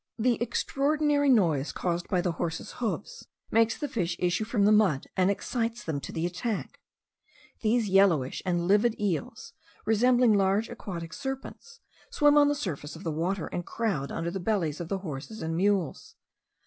The extraordinary noise caused by the horses' hoofs, makes the fish issue from the mud, and excites them to the attack. These yellowish and livid eels, resembling large aquatic serpents, swim on the surface of the water, and crowd under the bellies of the horses and mules.